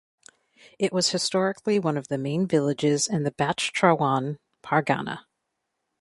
It was historically one of the main villages in the Bachhrawan pargana.